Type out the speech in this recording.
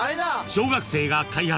［小学生が開発］